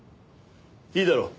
いいだろう。